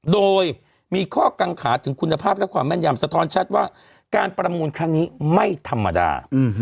โดยมีข้อกังขาถึงคุณภาพและความแม่นยำสะท้อนชัดว่าการประมูลครั้งนี้ไม่ธรรมดา